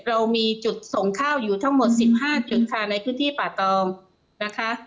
เรามีจุดส่งข้าวอยู่ทั้งหมด๑๕จุดค่ะในพื้นที่ป่าตองนะคะ